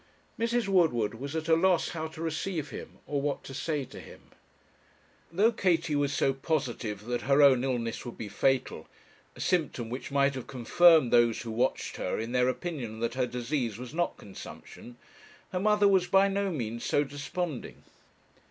Mrs. Woodward was at a loss how to receive him, or what to say to him. Though Katie was so positive that her own illness would be fatal a symptom which might have confirmed those who watched her in their opinion that her disease was not consumption her mother was by no means so desponding.